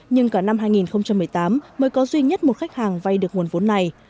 nhưng cả năm hai nghìn một mươi tám mới có duy nhất một khách hàng vay được nguồn vốn này